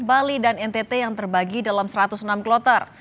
bali dan ntt yang terbagi dalam satu ratus enam kloter